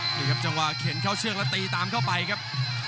นี่ครับจังหวะเข็นเข้าเชือกแล้วตีตามเข้าไปครับ